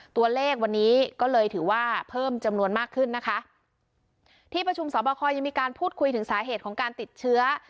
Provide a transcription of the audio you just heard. ตัวเลขวันนี้ก็เลยถือว่าเพิ่มจำนวนมากขึ้นนะคะที่ประชุมสอบคอยังมีการพูดคุยถึงสาเหตุของการติดเชื้อ